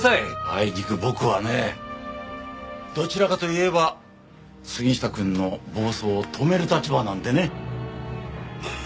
あいにく僕はねどちらかといえば杉下くんの暴走を止める立場なんでね。